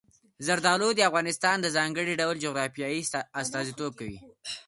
زردالو د افغانستان د ځانګړي ډول جغرافیې استازیتوب کوي.